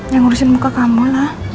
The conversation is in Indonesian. yang ngurusin muka kamu lah